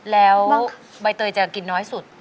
แล้วใบเตยจะกินน้อยสุด